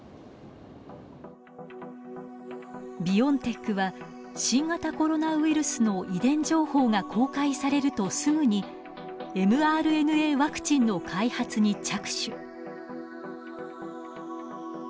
ビオンテックは新型コロナウイルスの遺伝情報が公開されるとすぐにｍＲＮＡワクチンの開発に着手。